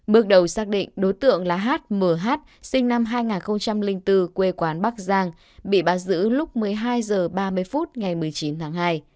bước đầu xác định đối tượng là h m h sinh năm hai nghìn bốn quê quán bắc giang bị bắt giữ lúc một mươi hai giờ ba mươi phút ngày một mươi chín tháng hai